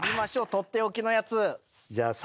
取って置きのやつ。